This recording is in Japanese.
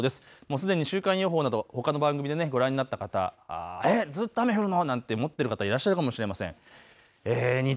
すでに週間予報などほかの番組でご覧になった方、ずっと雨降るのなんて思っている方いらっしゃるかもしれません。